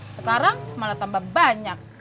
sekarang malah tambah banyak